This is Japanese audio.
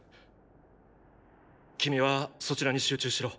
君はそちらに集中しろ。